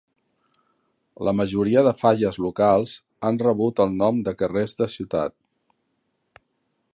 La majoria de falles locals han rebut el nom de carrers de ciutat.